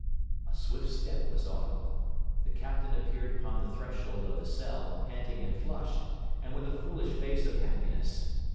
A swift step was audible. The captain appeared upon the threshold of the cell, panting and flushed, and with a foolish face of happiness.